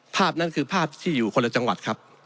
ภาพนั้นคือภาพที่อยู่คนละจังหวัดครับ